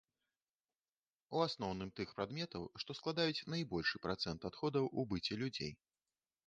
У асноўным тых прадметаў, што складаюць найбольшы працэнт адходаў у быце людзей.